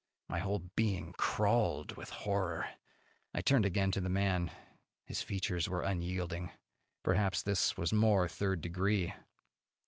My whole being crawled with horror. I turned again to the man. His features were unyielding. Perhaps this was more third degree.